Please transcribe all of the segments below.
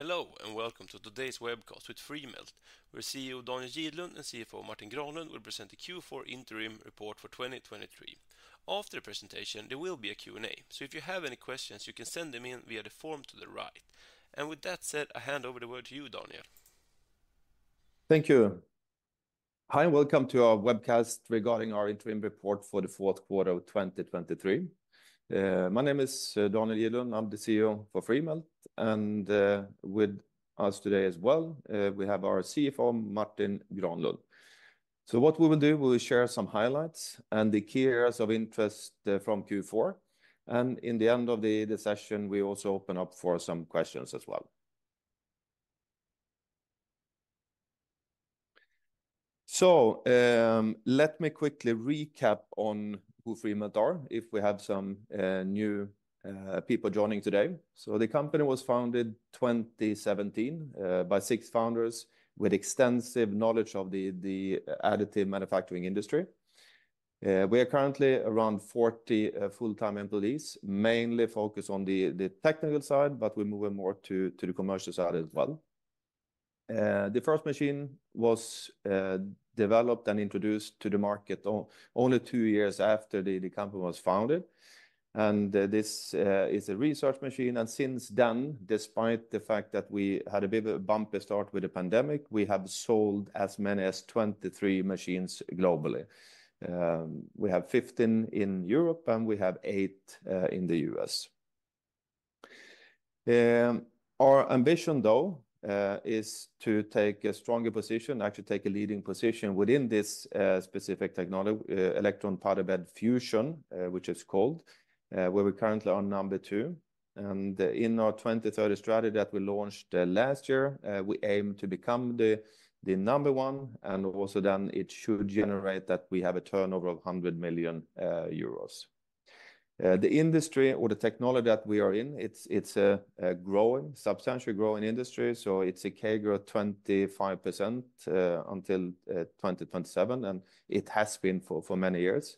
Hello and welcome to today's webcast with Freemelt. Here, CEO Daniel Gidlund and CFO Martin Granlund will present the Q4 interim report for 2023. After the presentation, there will be a Q&A, so if you have any questions you can send them in via the form to the right. With that said, I hand over the word to you, Daniel. Thank you. Hi and welcome to our webcast regarding our interim report for the fourth quarter of 2023. My name is Daniel Gidlund. I'm the CEO for Freemelt, and with us today as well, we have our CFO Martin Granlund. So what we will do, we will share some highlights and the key areas of interest from Q4. And in the end of the session, we also open up for some questions as well. So let me quickly recap on who Freemelt are, if we have some new people joining today. So the company was founded in 2017 by six founders with extensive knowledge of the additive manufacturing industry. We are currently around 40 full-time employees, mainly focused on the technical side, but we move more to the commercial side as well. The first machine was developed and introduced to the market only two years after the company was founded. This is a research machine. Since then, despite the fact that we had a bit of a bumpy start with the pandemic, we have sold as many as 23 machines globally. We have 15 in Europe and we have eight in the US. Our ambition, though, is to take a stronger position, actually take a leading position within this specific electron beam powder bed fusion, which is called, where we're currently on number two. In our 2030 strategy that we launched last year, we aim to become the number one, and also then it should generate that we have a turnover of 100 million euros. The industry or the technology that we are in, it's a growing, substantially growing industry. It's a CAGR of 25% until 2027, and it has been for many years.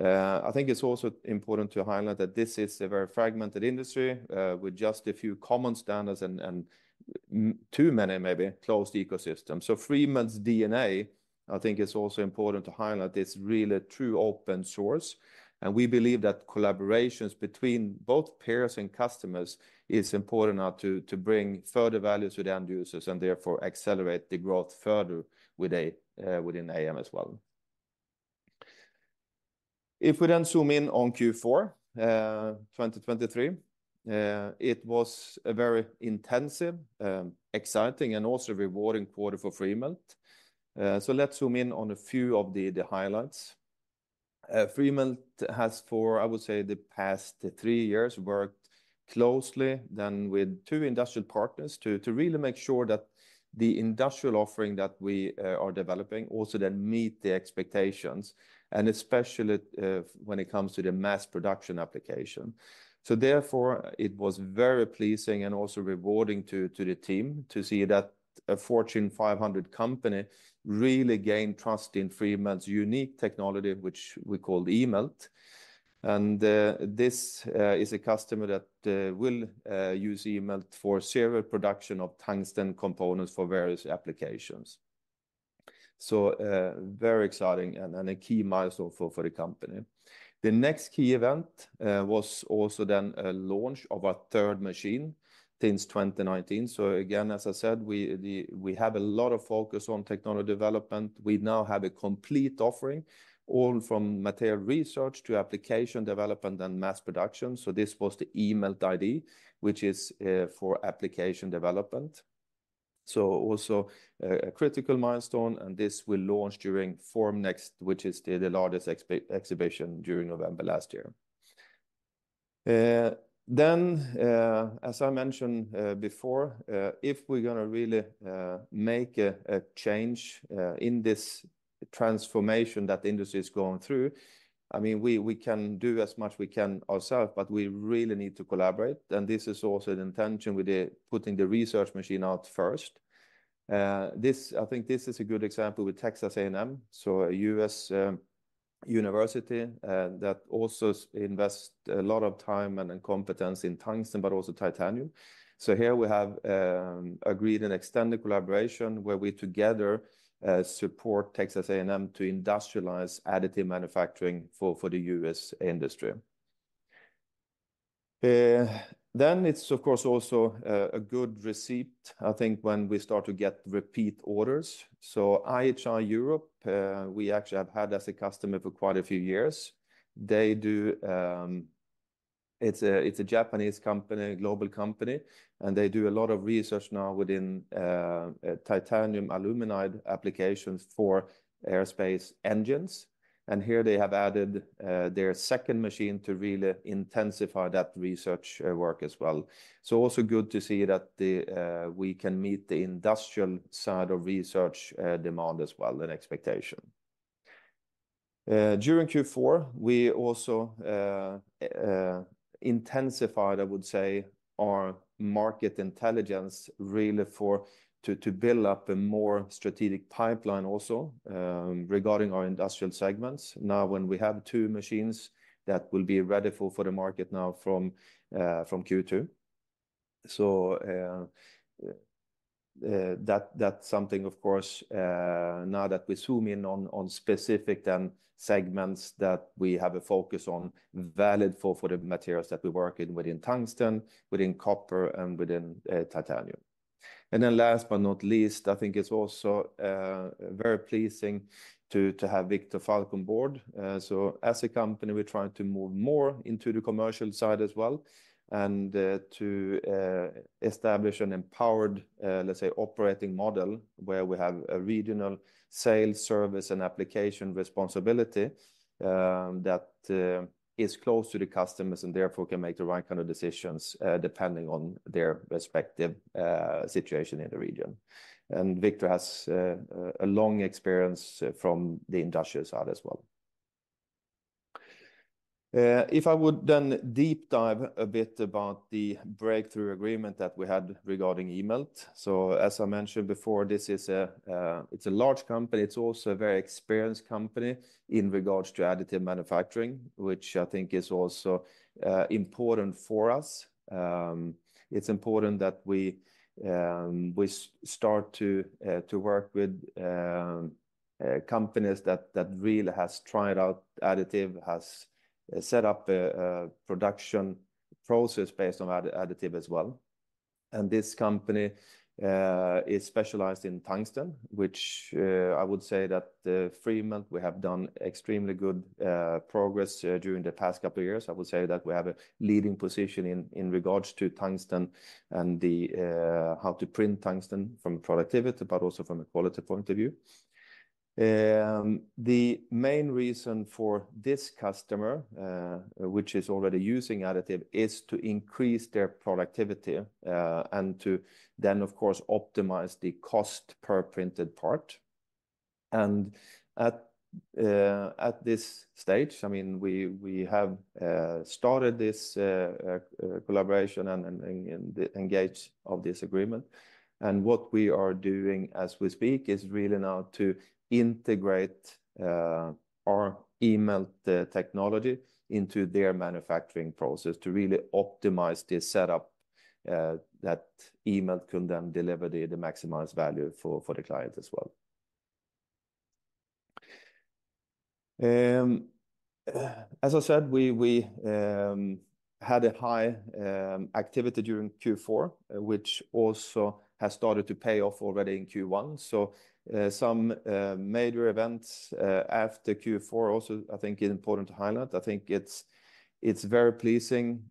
I think it's also important to highlight that this is a very fragmented industry with just a few common standards and too many, maybe, closed ecosystems. So Freemelt's DNA, I think it's also important to highlight, is really true open source. And we believe that collaborations between both peers and customers are important to bring further value to the end users and therefore accelerate the growth further within AM as well. If we then zoom in on Q4 2023, it was a very intensive, exciting, and also rewarding quarter for Freemelt. So let's zoom in on a few of the highlights. Freemelt has, for I would say the past three years, worked closely then with two industrial partners to really make sure that the industrial offering that we are developing also then meets the expectations, and especially when it comes to the mass production application. So therefore, it was very pleasing and also rewarding to the team to see that a Fortune 500 company really gained trust in Freemelt's unique technology, which we call eMELT. And this is a customer that will use eMELT for serial production of tungsten components for various applications. So very exciting and a key milestone for the company. The next key event was also then a launch of our third machine since 2019. So again, as I said, we have a lot of focus on technology development. We now have a complete offering, all from material research to application development and mass production. So this was the eMELT iD, which is for application development. So also a critical milestone, and this will launch during Formnext, which is the largest exhibition during November last year. Then, as I mentioned before, if we're going to really make a change in this transformation that the industry is going through, I mean, we can do as much we can ourselves, but we really need to collaborate. This is also the intention with putting the research machine out first. I think this is a good example with Texas A&M, so a U.S. university that also invests a lot of time and competence in tungsten, but also titanium. Here we have agreed an extended collaboration where we together support Texas A&M to industrialize additive manufacturing for the U.S. industry. It's, of course, also a good recipe, I think, when we start to get repeat orders. IHI Europe, we actually have had as a customer for quite a few years. It's a Japanese company, global company, and they do a lot of research now within titanium aluminide applications for aerospace engines. Here they have added their second machine to really intensify that research work as well. So also good to see that we can meet the industrial side of research demand as well and expectation. During Q4, we also intensified, I would say, our market intelligence really to build up a more strategic pipeline also regarding our industrial segments. Now when we have two machines that will be ready for the market now from Q2. So that's something, of course, now that we zoom in on specific then segments that we have a focus on valid for the materials that we work in within tungsten, within copper, and within titanium. And then last but not least, I think it's also very pleasing to have Viktor Valk on board. So as a company, we're trying to move more into the commercial side as well and to establish an empowered, let's say, operating model where we have a regional sales service and application responsibility that is close to the customers and therefore can make the right kind of decisions depending on their respective situation in the region. Viktor has a long experience from the industrial side as well. If I would then deep dive a bit about the breakthrough agreement that we had regarding eMELT. So as I mentioned before, it's a large company. It's also a very experienced company in regards to additive manufacturing, which I think is also important for us. It's important that we start to work with companies that really have tried out additive, have set up a production process based on additive as well. This company is specialized in tungsten, which I would say that Freemelt we have done extremely good progress during the past couple of years. I would say that we have a leading position in regards to tungsten and how to print tungsten from productivity, but also from a quality point of view. The main reason for this customer, which is already using additive, is to increase their productivity and to then, of course, optimize the cost per printed part. And at this stage, I mean, we have started this collaboration and engaged in this agreement. And what we are doing as we speak is really now to integrate our eMELT technology into their manufacturing process to really optimize this setup that eMELT can then deliver the maximized value for the client as well. As I said, we had a high activity during Q4, which also has started to pay off already in Q1. So some major events after Q4 also, I think, are important to highlight. I think it's very pleasing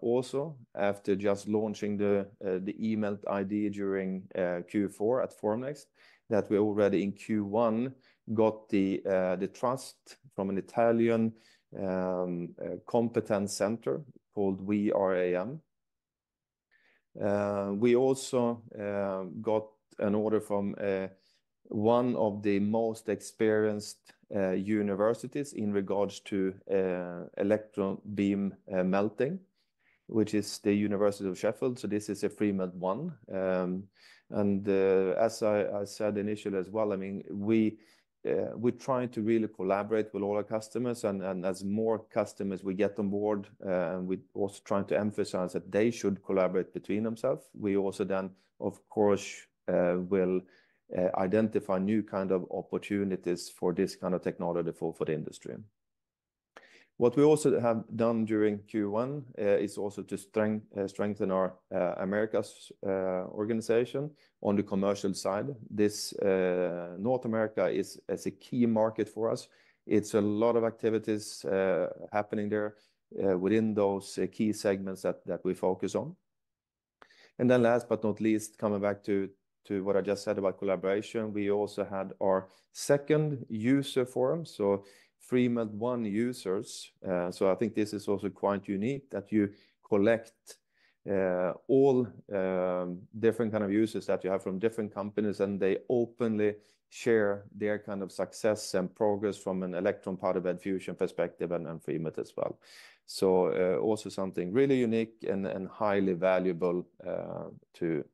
also after just launching the eMELT iD during Q4 at Formnext that we already in Q1 got the trust from an Italian competence center called Weaream. We also got an order from one of the most experienced universities in regards to electron beam melting, which is the University of Sheffield. So this is a Freemelt ONE. And as I said initially as well, I mean, we're trying to really collaborate with all our customers. And as more customers we get on board, and we're also trying to emphasize that they should collaborate between themselves. We also then, of course, will identify new kinds of opportunities for this kind of technology for the industry. What we also have done during Q1 is also to strengthen Americas' organization on the commercial side. North America is a key market for us. It's a lot of activities happening there within those key segments that we focus on. And then last but not least, coming back to what I just said about collaboration, we also had our second user forum, so Freemelt ONE users. So I think this is also quite unique that you collect all different kinds of users that you have from different companies and they openly share their kind of success and progress from an electron beam powder bed fusion perspective and Freemelt as well. So also something really unique and highly valuable to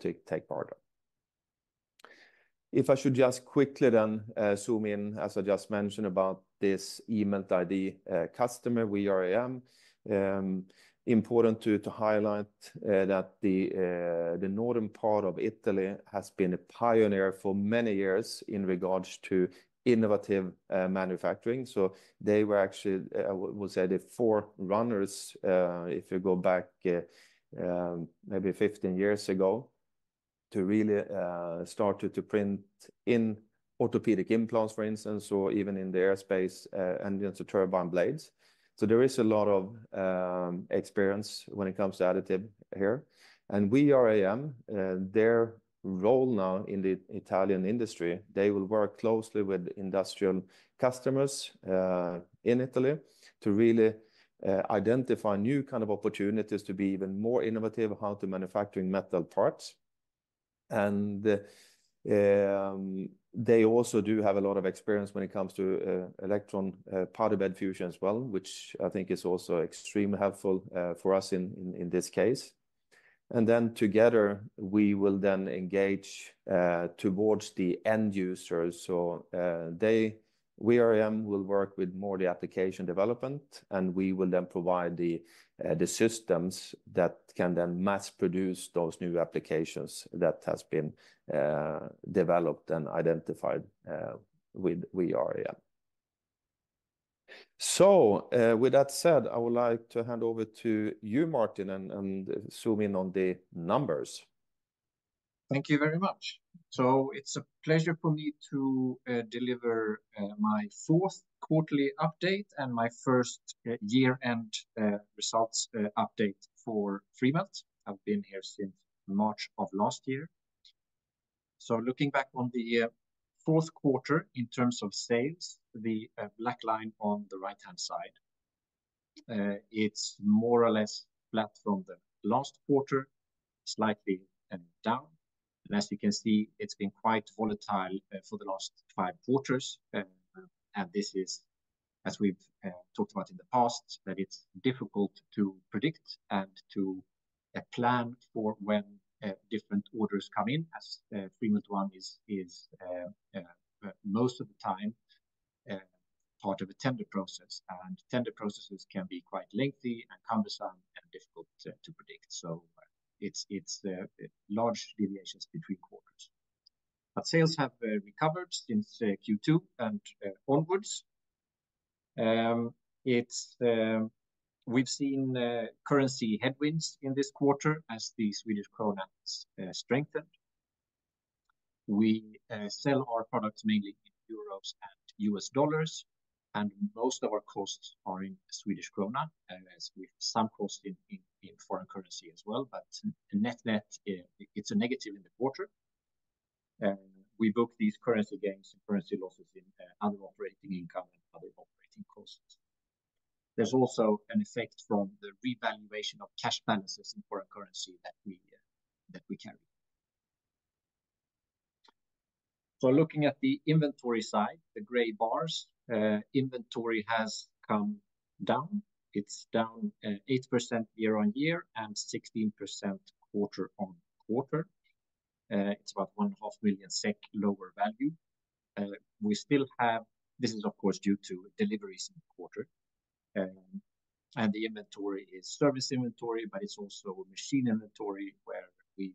take part in. If I should just quickly then zoom in, as I just mentioned about this eMELT iD customer, Weaream. Important to highlight that the northern part of Italy has been a pioneer for many years in regards to innovative manufacturing. So they were actually, I would say, the forerunners if you go back maybe 15 years ago to really start to print in orthopedic implants, for instance, or even in the aerospace engines, turbine blades. So there is a lot of experience when it comes to additive here. Weaream, their role now in the Italian industry, they will work closely with industrial customers in Italy to really identify new kinds of opportunities to be even more innovative how to manufacture metal parts. They also do have a lot of experience when it comes to electron beam powder bed fusion as well, which I think is also extremely helpful for us in this case. And then together, we will then engage toward the end users. So Weaream will work with more the application development and we will then provide the systems that can then mass produce those new applications that have been developed and identified with Weaream. So with that said, I would like to hand over to you, Martin, and zoom in on the numbers. Thank you very much. So it's a pleasure for me to deliver my fourth quarterly update and my first year-end results update for Freemelt. I've been here since March of last year. So looking back on the fourth quarter in terms of sales, the black line on the right-hand side, it's more or less flat from the last quarter, slightly down. And as you can see, it's been quite volatile for the last five quarters. And this is, as we've talked about in the past, that it's difficult to predict and to plan for when different orders come in, as Freemelt ONE is most of the time part of a tender process. And tender processes can be quite lengthy and cumbersome and difficult to predict. So it's large deviations between quarters. But sales have recovered since Q2 and onwards. We've seen currency headwinds in this quarter as the Swedish krona strengthened. We sell our products mainly in euros and U.S. dollars. Most of our costs are in Swedish krona, with some costs in foreign currency as well. Net, net, it's a negative in the quarter. We book these currency gains and currency losses in other operating income and other operating costs. There's also an effect from the revaluation of cash balances in foreign currency that we carry. Looking at the inventory side, the gray bars, inventory has come down. It's down 8% year-on-year and 16% quarter-on-quarter. It's about 1.5 million SEK lower value. We still have, this is, of course, due to deliveries in the quarter. The inventory is service inventory, but it's also machine inventory where we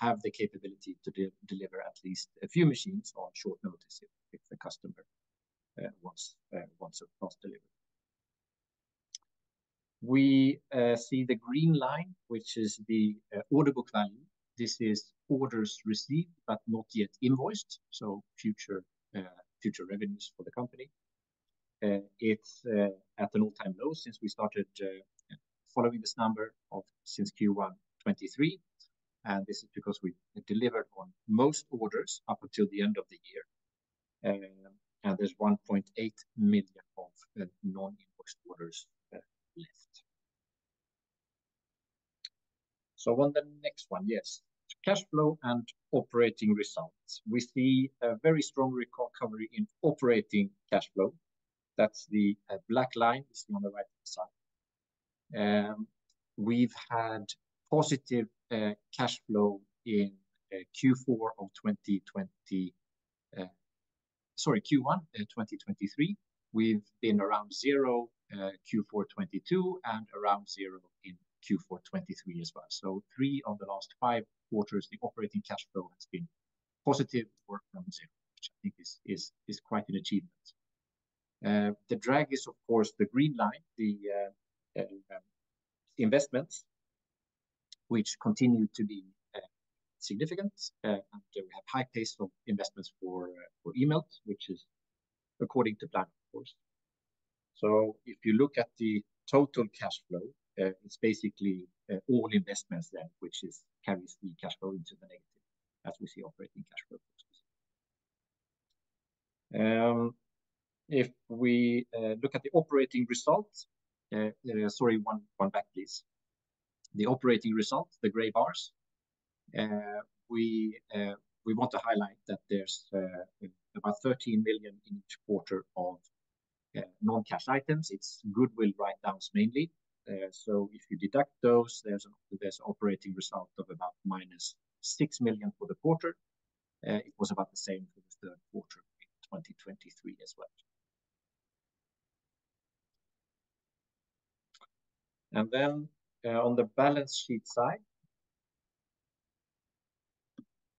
have the capability to deliver at least a few machines on short notice if the customer wants a fast delivery. We see the green line, which is the order book value. This is orders received but not yet invoiced, so future revenues for the company. It's at an all-time low since we started following this number since Q1 2023. This is because we delivered on most orders up until the end of the year. There's SEK 1.8 million of non-invoiced orders left. On the next one, yes, cash flow and operating results. We see a very strong recovery in operating cash flow. That's the black line, you see on the right-hand side. We've had positive cash flow in Q4 of 2020, sorry, Q1 2023. We've been around zero in Q4 2022 and around zero in Q4 2023 as well. So three of the last five quarters, the operating cash flow has been positive or from zero, which I think is quite an achievement. The drag is, of course, the green line, the investments, which continue to be significant. And we have high-paced investments for eMELT, which is according to plan, of course. So if you look at the total cash flow, it's basically all investments then, which carries the cash flow into the negative, as we see operating cash flow. If we look at the operating results, sorry, one back, please. The operating results, the gray bars, we want to highlight that there's about 13 million in each quarter of non-cash items. It's goodwill write-downs mainly. So if you deduct those, there's an operating result of about -6 million for the quarter. It was about the same for the third quarter in 2023 as well. And then on the balance sheet side,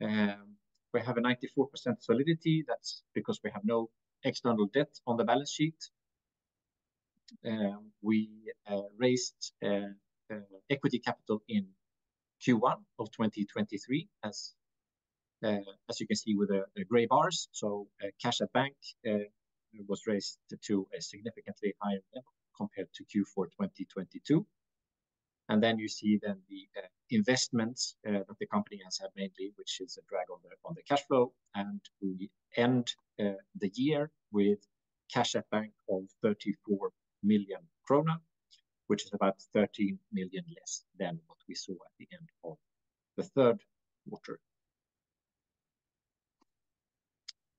we have a 94% solidity. That's because we have no external debt on the balance sheet. We raised equity capital in Q1 of 2023, as you can see with the gray bars. So cash at bank was raised to a significantly higher level compared to Q4 2022. And then you see then the investments that the company has had mainly, which is a drag on the cash flow. And we end the year with cash at bank of 34 million krona, which is about 13 million less than what we saw at the end of the third quarter.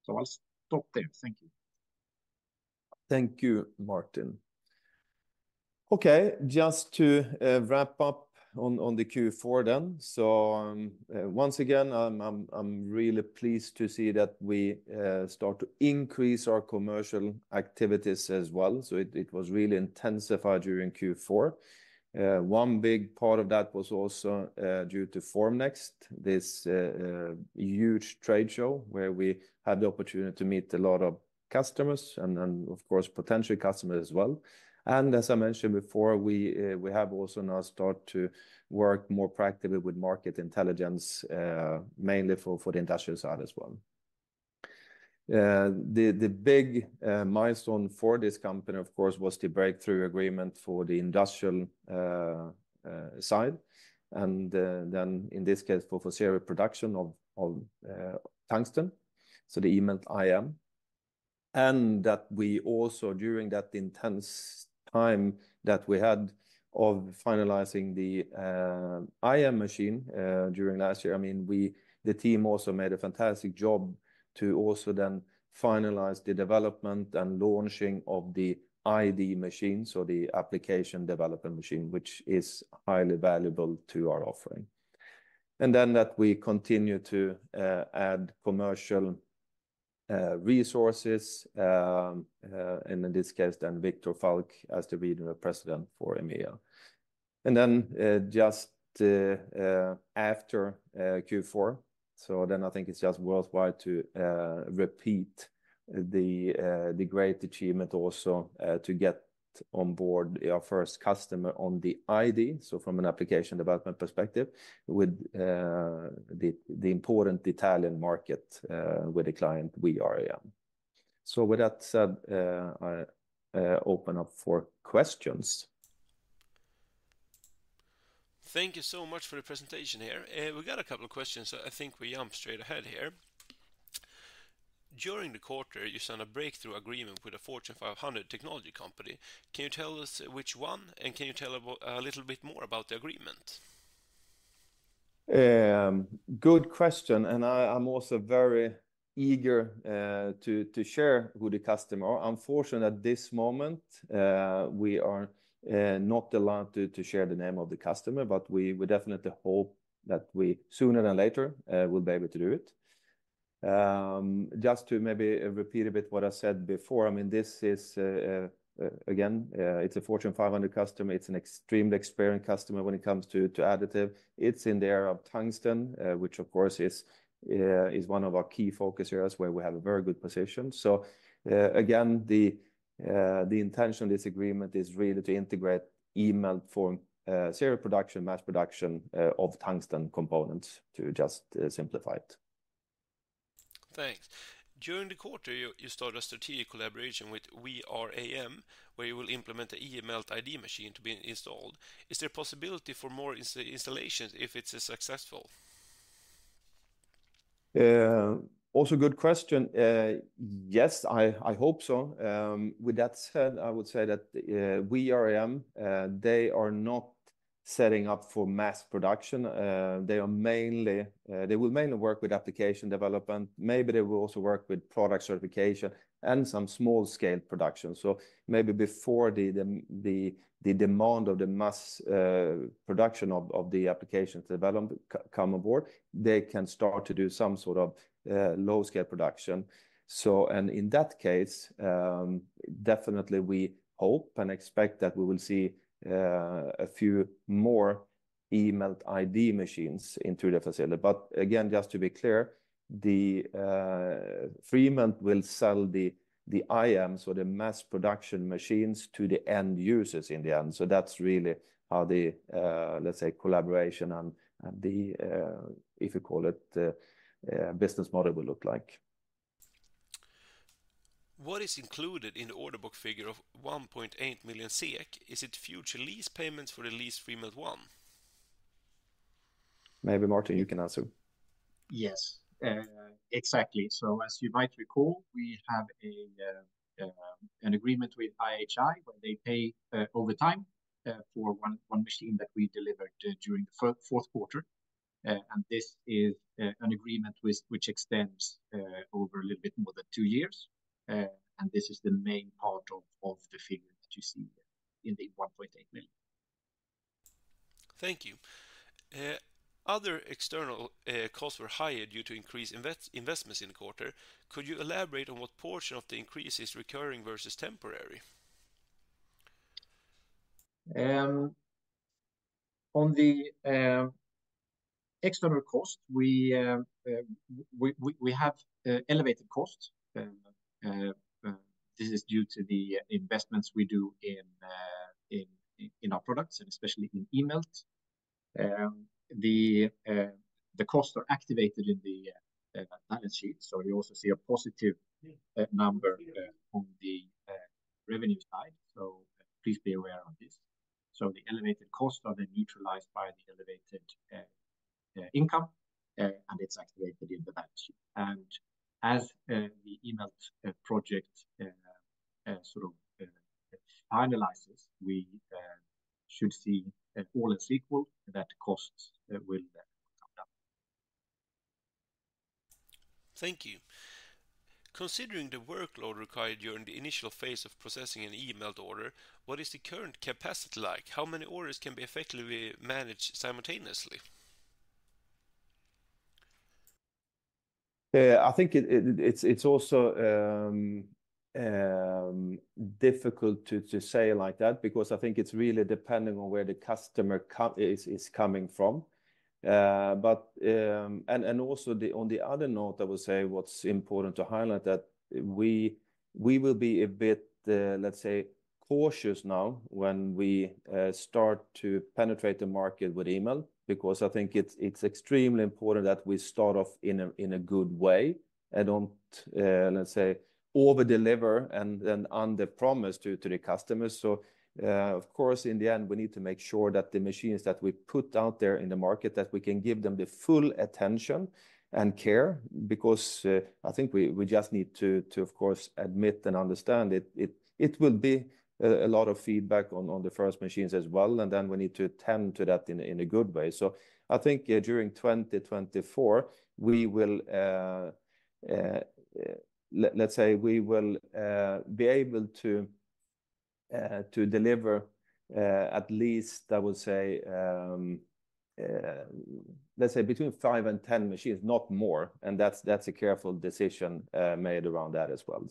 So I'll stop there. Thank you. Thank you, Martin. Okay, just to wrap up on the Q4 then. So once again, I'm really pleased to see that we start to increase our commercial activities as well. So it was really intensified during Q4. One big part of that was also due to Formnext, this huge trade show where we had the opportunity to meet a lot of customers and, of course, potential customers as well. And as I mentioned before, we have also now started to work more practically with market intelligence, mainly for the industrial side as well. The big milestone for this company, of course, was the breakthrough agreement for the industrial side. And then in this case, for serial production of tungsten, so the eMELT iM. That we also, during that intense time that we had of finalizing the IM machine during last year, I mean, the team also made a fantastic job to also then finalize the development and launching of the ID machine, so the application developer machine, which is highly valuable to our offering. Then that we continue to add commercial resources. In this case then, Viktor Valk as the Regional President for EMEA. Then just after Q4, so then I think it's just worthwhile to repeat the great achievement also to get on board our first customer on the ID, so from an application development perspective, with the important Italian market with the client Weaream. So with that said, I open up for questions. Thank you so much for the presentation here. We got a couple of questions, so I think we jump straight ahead here. During the quarter, you signed a breakthrough agreement with a Fortune 500 technology company. Can you tell us which one? And can you tell a little bit more about the agreement? Good question. And I'm also very eager to share who the customer is. Unfortunately, at this moment, we are not allowed to share the name of the customer, but we definitely hope that sooner than later we'll be able to do it. Just to maybe repeat a bit what I said before, I mean, this is, again, it's a Fortune 500 customer. It's an extremely experienced customer when it comes to additive. It's in the area of tungsten, which, of course, is one of our key focus areas where we have a very good position. So again, the intention of this agreement is really to integrate eMELT for serial production, mass production of tungsten components, to just simplify it. Thanks. During the quarter, you started a strategic collaboration with Weaream, where you will implement an eMELT iD machine to be installed. Is there a possibility for more installations if it's successful? Also good question. Yes, I hope so. With that said, I would say that Weaream, they are not setting up for mass production. They will mainly work with application development. Maybe they will also work with product certification and some small-scale production. So maybe before the demand of the mass production of the applications to come on board, they can start to do some sort of low-scale production. And in that case, definitely we hope and expect that we will see a few more eMELT iD machines in Weaream. But again, just to be clear, Freemelt will sell the IM, so the mass production machines, to the end users in the end. So that's really how the, let's say, collaboration and the, if you call it, business model will look like. What is included in the order book figure of 1.8 million SEK? Is it future lease payments for the lease Freemelt ONE? Maybe Martin, you can answer. Yes, exactly. So as you might recall, we have an agreement with IHI where they pay over time for one machine that we delivered during the fourth quarter. And this is an agreement which extends over a little bit more than two years. And this is the main part of the figure that you see in the 1.8 million. Thank you. Other external costs were higher due to increased investments in the quarter. Could you elaborate on what portion of the increase is recurring versus temporary? On the external cost, we have elevated costs. This is due to the investments we do in our products, and especially in eMELT. The costs are activated in the balance sheet. So you also see a positive number on the revenue side. So please be aware of this. So the elevated costs are then neutralized by the elevated income, and it's activated in the balance sheet. And as the eMELT project sort of finalizes, we should see all as equal, that costs will come down. Thank you. Considering the workload required during the initial phase of processing an eMELT order, what is the current capacity like? How many orders can be effectively managed simultaneously? I think it's also difficult to say like that because I think it's really depending on where the customer is coming from. And also on the other note, I would say what's important to highlight, that we will be a bit, let's say, cautious now when we start to penetrate the market with eMELT because I think it's extremely important that we start off in a good way and don't, let's say, overdeliver and underpromise to the customers. So of course, in the end, we need to make sure that the machines that we put out there in the market, that we can give them the full attention and care because I think we just need to, of course, admit and understand it will be a lot of feedback on the first machines as well. And then we need to attend to that in a good way. So I think during 2024, let's say we will be able to deliver at least, I would say, let's say, between five and 10 machines, not more. And that's a careful decision made around that as well.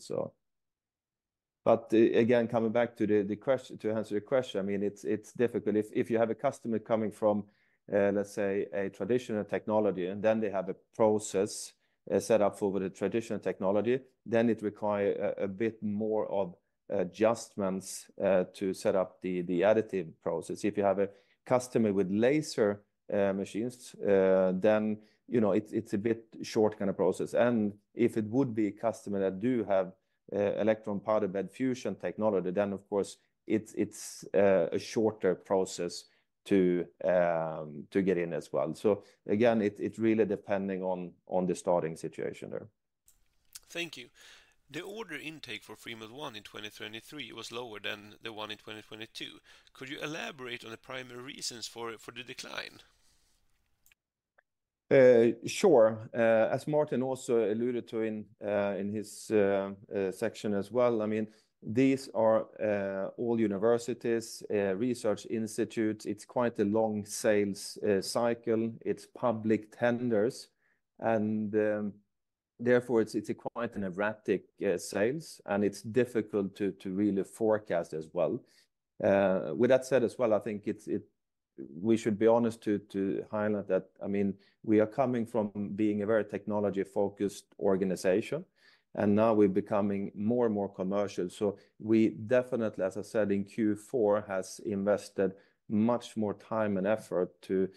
But again, coming back to answer your question, I mean, it's difficult. If you have a customer coming from, let's say, a traditional technology, and then they have a process set up for the traditional technology, then it requires a bit more adjustments to set up the additive process. If you have a customer with laser machines, then it's a bit short kind of process. And if it would be a customer that do have electron beam powder bed fusion technology, then, of course, it's a shorter process to get in as well. So again, it's really depending on the starting situation there. Thank you. The order intake for Freemelt ONE in 2023 was lower than the one in 2022. Could you elaborate on the primary reasons for the decline? Sure. As Martin also alluded to in his section as well, I mean, these are all universities, research institutes. It's quite a long sales cycle. It's public tenders. And therefore, it's quite an erratic sales. And it's difficult to really forecast as well. With that said as well, I think we should be honest to highlight that, I mean, we are coming from being a very technology-focused organization. And now we're becoming more and more commercial. So we definitely, as I said, in Q4, have invested much more time and effort to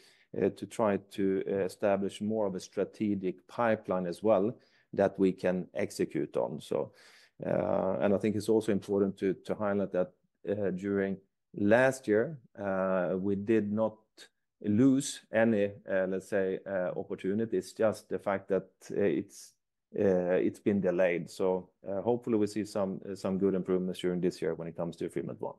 try to establish more of a strategic pipeline as well that we can execute on. And I think it's also important to highlight that during last year, we did not lose any, let's say, opportunity. It's just the fact that it's been delayed. Hopefully, we see some good improvements during this year when it comes to Freemelt ONE.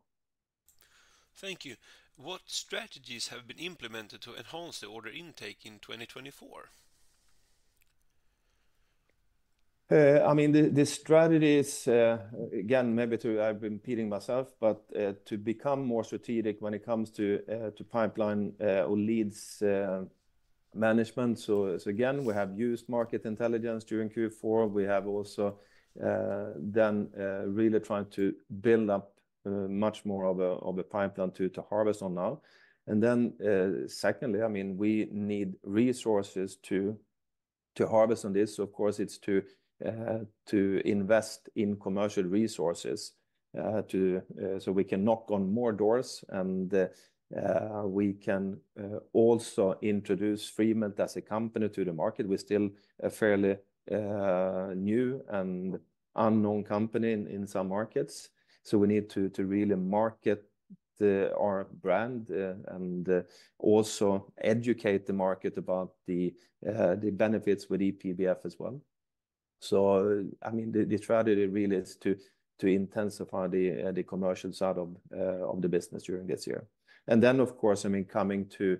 Thank you. What strategies have been implemented to enhance the order intake in 2024? I mean, the strategies, again, maybe I'm repeating myself, but to become more strategic when it comes to pipeline or leads management. So again, we have used market intelligence during Q4. We have also then really tried to build up much more of a pipeline to harvest on now. And then secondly, I mean, we need resources to harvest on this. So of course, it's to invest in commercial resources so we can knock on more doors. And we can also introduce Freemelt as a company to the market. We're still a fairly new and unknown company in some markets. So we need to really market our brand and also educate the market about the benefits with E-PBF as well. So I mean, the strategy really is to intensify the commercial side of the business during this year. And then, of course, I mean, coming to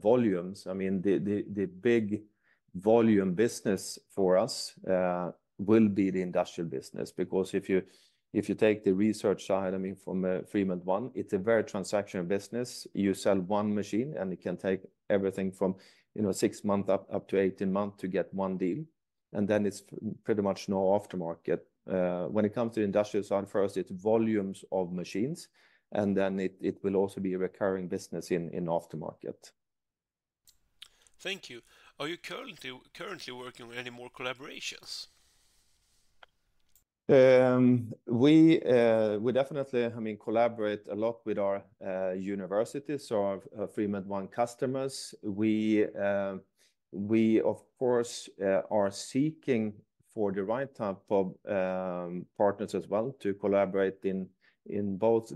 volumes, I mean, the big volume business for us will be the industrial business because if you take the research side, I mean, from Freemelt ONE, it's a very transactional business. You sell one machine, and it can take everything from six to 18 months to get one deal. And then it's pretty much no aftermarket. When it comes to the industrial side, first, it's volumes of machines. And then it will also be a recurring business in aftermarket. Thank you. Are you currently working on any more collaborations? We definitely, I mean, collaborate a lot with our universities, so our Freemelt ONE customers. We, of course, are seeking for the right type of partners as well to collaborate in both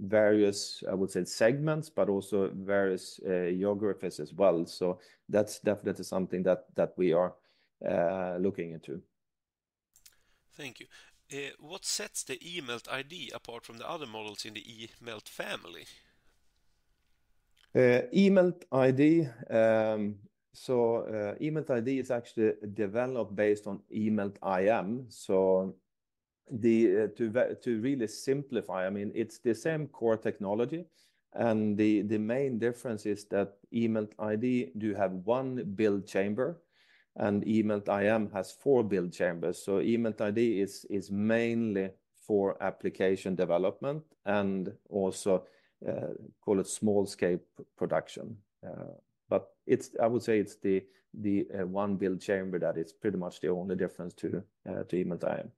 various, I would say, segments, but also various geographies as well. So that's definitely something that we are looking into. Thank you. What sets the eMELT iD apart from the other models in the eMELT family? eMELT iD, so eMELT iD is actually developed based on eMELT iM. So to really simplify, I mean, it's the same core technology. And the main difference is that eMELT iD does have one build chamber. And eMELT iM has four build chambers. So eMELT iD is mainly for application development and also call it small-scale production. But I would say it's the one build chamber that is pretty much the only difference to eMELT iM.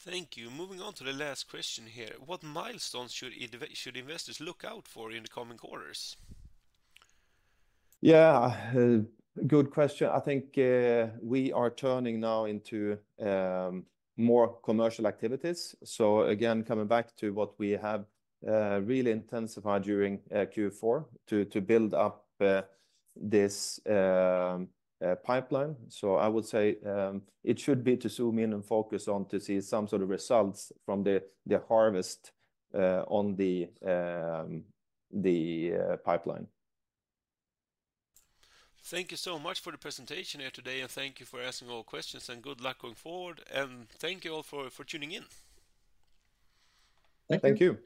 Thank you. Moving on to the last question here. What milestones should investors look out for in the coming quarters? Yeah, good question. I think we are turning now into more commercial activities. So again, coming back to what we have really intensified during Q4 to build up this pipeline. So I would say it should be to zoom in and focus on to see some sort of results from the harvest on the pipeline. Thank you so much for the presentation here today. Thank you for asking all questions. Good luck going forward. Thank you all for tuning in. Thank you.